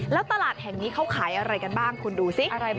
แล้วตลาดแห่งนี้เขาขายอะไรกันบ้างคุณดูสิ